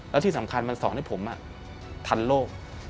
แล้วที่สำคัญมันสอนให้ผมทันโลก